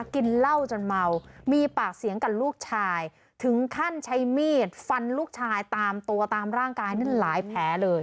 กินเหล้าจนเมามีปากเสียงกับลูกชายถึงขั้นใช้มีดฟันลูกชายตามตัวตามร่างกายนั่นหลายแผลเลย